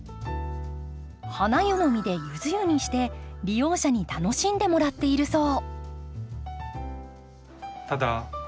ハナユの実でユズ湯にして利用者に楽しんでもらっているそう。